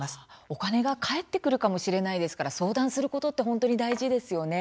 お金が返ってくるかもしれないですから相談することって本当に大事ですよね。